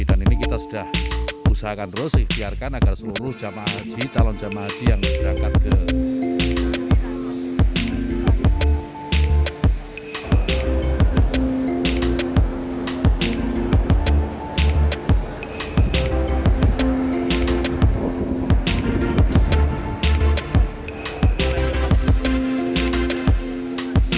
dan ini kita sudah usahakan terus dihiarkan agar seluruh jama' haji talon jama' haji yang berangkat ke tanah suci